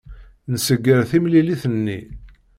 Nsegger timlilit-nni.